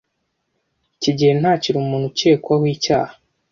kigeli ntakiri umuntu ukekwaho icyaha.